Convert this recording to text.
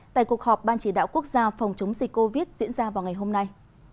tại cuộc họp ban chỉ đạo quốc gia phòng chống dịch covid diễn ra vào ngày hôm nay